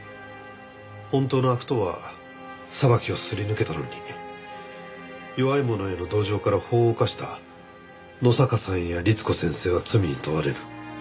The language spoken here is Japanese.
本当の悪党は裁きをすり抜けたのに弱い者への同情から法を犯した野坂さんや律子先生は罪に問われる。